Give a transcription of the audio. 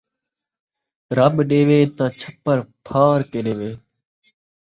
رب ݙیوے تاں چھپر پاڑ کے ݙیوے